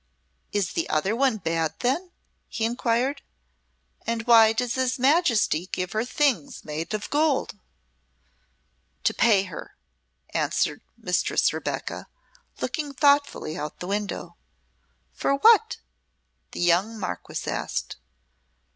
"Is the other one bad, then?" he inquired. "And why does his Majesty give her things made of gold?" "To pay her," answered Mistress Rebecca, looking thoughtfully out of the window. "For what?" the young Marquess asked.